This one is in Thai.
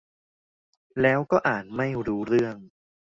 แล้วก็อ่านไม่รู้เรื่อง